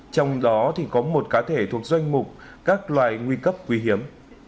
trong đó có một cá thể thuộc doanh mục các loài nguy cấp quý hiếm